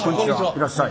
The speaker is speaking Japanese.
いらっしゃい。